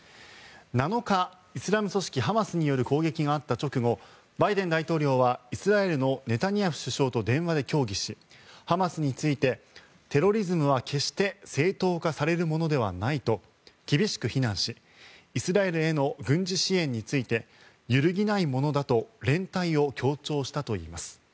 ７日、イスラム組織ハマスによる攻撃があった直後バイデン大統領はイスラエルのネタニヤフ首相と電話で協議しハマスについてテロリズムは決して正当化されるものではないと厳しく非難しイスラエルへの軍事支援について揺るぎないものだと連帯を強調したといいます。